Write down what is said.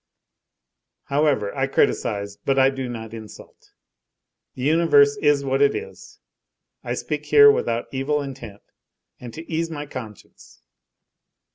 However, I criticise, but I do not insult. The universe is what it is. I speak here without evil intent and to ease my conscience.